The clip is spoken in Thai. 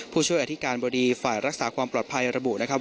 ผู้ช่วยอธิการบดีฝ่ายรักษาความปลอดภัยระบุนะครับ